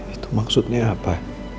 itu maksudnya apa